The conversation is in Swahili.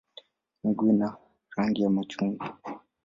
Miguu ina rangi ya machungwa.